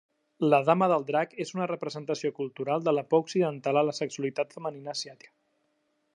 La Dama del Drac és una representació cultural de la por occidental a la sexualitat femenina asiàtica.